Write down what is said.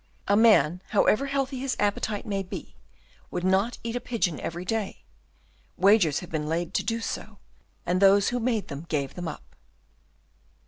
"A man, however healthy his appetite may be, would not eat a pigeon every day. Wagers have been laid to do so, and those who made them gave them up."